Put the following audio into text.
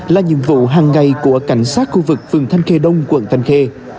là nhiệm vụ hàng ngày của cảnh sát khu vực phường thanh khê đông quận thanh khê